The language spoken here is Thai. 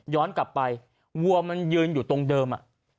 กลับไปวัวมันยืนอยู่ตรงเดิม